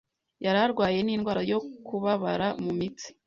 yari arwaye n'indwara yo kubabara mu mitsi